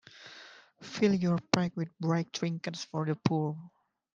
Fill your pack with bright trinkets for the poor.